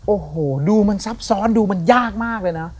โอ้โหดูมันซับซ้อนดูมันยากมากเลยนะ